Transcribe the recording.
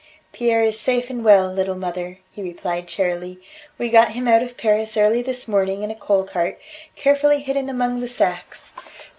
"Pierre is safe and well, little mother," he replied cheerily. "We got him out of Paris early this morning in a coal cart, carefully hidden among the sacks.